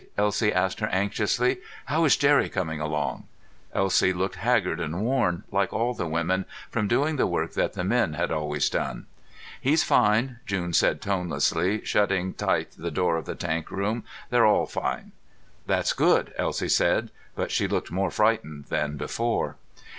Elsie asked her anxiously. "How is Jerry coming along?" Elsie looked haggard and worn, like all the women, from doing the work that the men had always done. "He's fine," June said tonelessly, shutting tight the door of the tank room. "They're all fine." "That's good," Elsie said, but she looked more frightened than before.